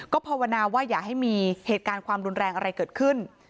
ภาวนาว่าอย่าให้มีเหตุการณ์ความรุนแรงอะไรเกิดขึ้น